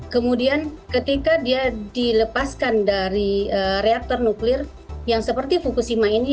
kemudian ketika dia dilepaskan dari reaktor nuklir yang seperti fukushima ini